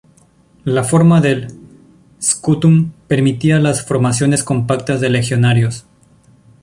La forma del "scutum" permitía las formaciones compactas de legionarios.